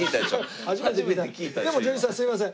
でも純次さんすいません。